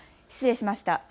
失礼しました。